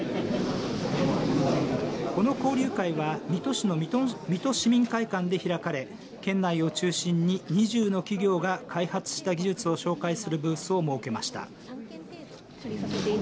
この交流会は水戸市の水戸市民会館で開かれ県内を中心に２０の企業が開発した技術を紹介するブースを設けました。